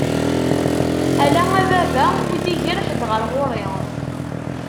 Ala a baba ur d-igir ḥed ɣer ɣur-i.